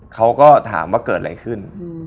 เขาก็ถามว่าเกิดอะไรขึ้น